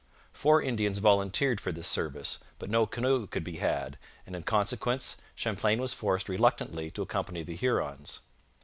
Four Indians volunteered for this service, but no canoe could be had, and in consequence Champlain was forced reluctantly to accompany the Hurons.